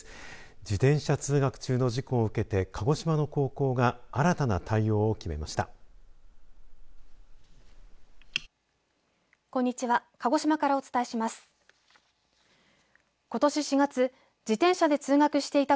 自転車通学中の事故を受けて鹿児島の高校が新たな対応を決めました。